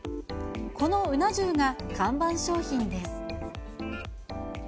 このうな重が看板商品です。